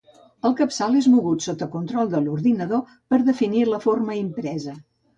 El capçal és mogut, sota control de l'ordinador, per definir la forma impresa.